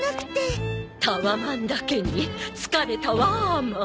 タワマンだけに疲れタワマン。